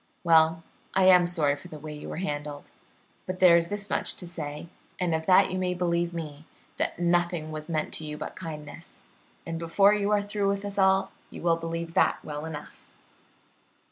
Well, I am sorry for the way you were handled, but there is this much to say, and of that you may believe me, that nothing was meant to you but kindness, and before you are through with us all you will believe that well enough."